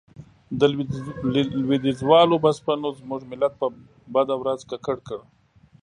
د لوېديځوالو بسپنو زموږ ملت په بده ورځ ککړ کړ.